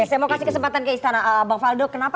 saya mau kasih kesempatan ke istana bang faldo kenapa